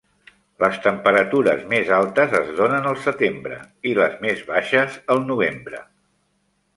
Les temperatures més altes es donen al setembre i les més baixes al novembre.